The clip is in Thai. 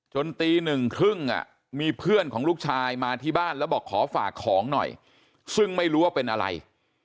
ตีหนึ่งครึ่งมีเพื่อนของลูกชายมาที่บ้านแล้วบอกขอฝากของหน่อยซึ่งไม่รู้ว่าเป็นอะไร